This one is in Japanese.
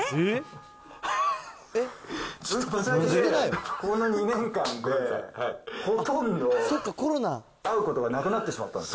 この２年間で、ほとんど会うことがなくなってしまったんです。